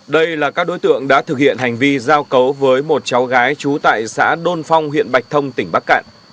đây là các đối tượng đã thực hiện hành vi giao cấu với một cháu gái trú tại xã đôn phong huyện bạch thông tỉnh bắc cạn